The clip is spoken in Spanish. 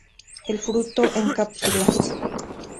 El fruto en cápsulas.